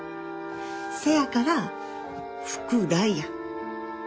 せやから福来や。